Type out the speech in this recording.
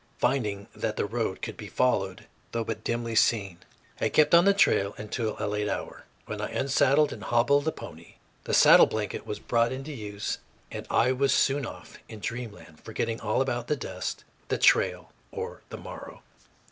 Finding that the road could be followed, though but dimly seen, I kept on the trail until a late hour, when I unsaddled and hobbled the pony. The saddle blanket was brought into use, and I was soon off in dreamland forgetting all about the dust, the trail, or the morrow.